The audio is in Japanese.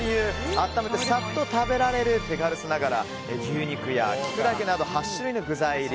温めてさっと食べられる手軽さながら牛肉やキクラゲなど８種類の具材入り。